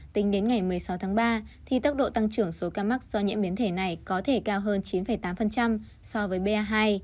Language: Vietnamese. tính đến ngày một mươi sáu tháng ba thì tốc độ tăng trưởng số ca mắc do nhiễm biến thể này có thể cao hơn chín tám so với ba hai